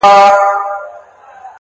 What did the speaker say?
د سترگو هره ائينه کي مي جلا ياري ده،